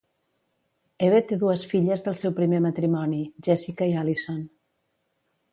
Eve té dues filles del seu primer matrimoni, Jessica i Alison.